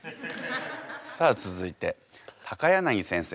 さあ続いて柳先生